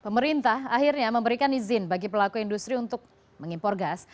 pemerintah akhirnya memberikan izin bagi pelaku industri untuk mengimpor gas